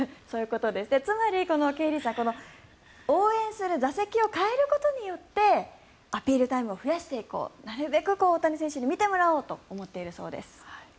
ケイリーさん、応援する座席を変えることによってアピールタイムを増やしていこうなるべく大谷選手に見てもらおうと思っているそうです。